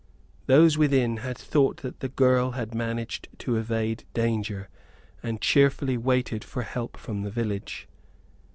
Those within had thought that the girl had managed to evade danger, and cheerfully waited for help from the village.